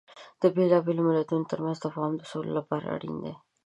د بیلابیلو مليتونو ترمنځ تفاهم د سولې لپاره اړین دی.